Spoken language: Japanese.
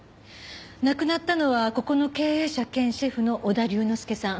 亡くなったのはここの経営者兼シェフの織田龍之介さん。